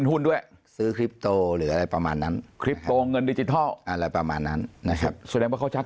ก็จะเอาคำพูดให้สัมภาษณ์สื่อตรงนั้นไปสู้ในชั้นศาลอย่างนี้หรอ